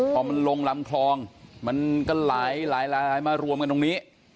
พอมันลงลำคลองมันก็หลายมารวมกันตรงนี้